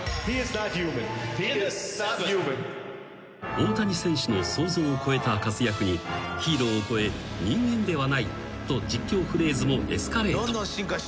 ［大谷選手の想像を超えた活躍にヒーローを超え人間ではないと実況フレーズもエスカレート］